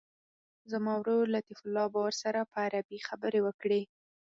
زما ورور لطیف الله به ورسره په عربي خبرې وکړي.